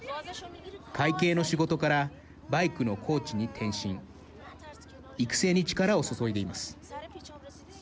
会計の仕事からバイクのコーチに転身育成に力を注いでいます。